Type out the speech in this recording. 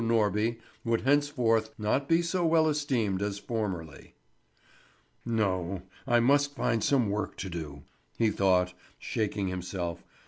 Norby would henceforth not be so well esteemed as formerly. "No, I must find some work to do," he thought, shaking himself.